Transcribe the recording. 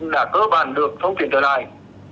đã cơ bản được thông truyền trở lại